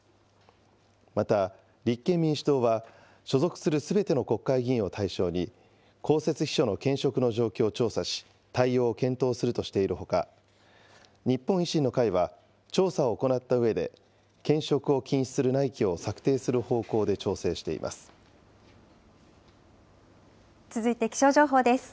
また、立憲民主党は所属するすべての国会議員を対象に、公設秘書の兼職の状況を調査し、対応を検討するとしているほか、日本維新の会は、調査を行ったうえで、兼職を禁止する内規を策定する方向で調整し続いて気象情報です。